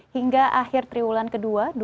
hingga akhir triwulan ke dua dua ribu dua puluh tiga